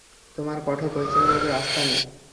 তোমার কঠোর পরিশ্রমের উপর আস্থা নেই?